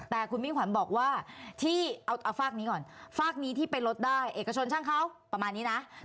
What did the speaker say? แต่คุณมิ่งขวัญบอกว่าที่เอาฝากนี้ก่อนฝากนี้ที่ไปลดได้เอกชนช่างเขาประมาณนี้นะ